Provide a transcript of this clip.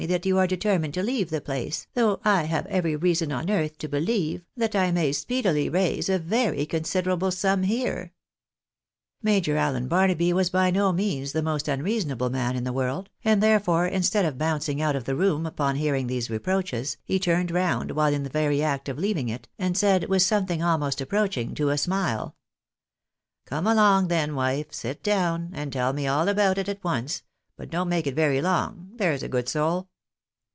that you are determined to leave the place, though I have every reason on earth to believe that I may speedily raise a very con ' siderable sum here." Major Allen Barnaby was by no means the most unreasonable man in the world, and, therefore, instead of bouncing out of the room upon hearing these reproaches, he turned round while in the very act of leaving it, and said, with something almost approaching to a smile —" Come along then, wife, sit down, and tell me all about it at once, but don't make it very long, there's a good soul."